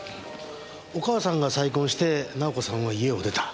お母さんが再婚して直子さんは家を出た。